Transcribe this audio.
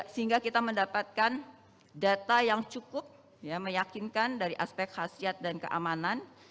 sehingga kita mendapatkan data yang cukup meyakinkan dari aspek khasiat dan keamanan